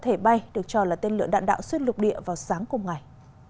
thể bay được cho là tên lửa đạn đạo xuyên lục địa vào sáng cùng ngày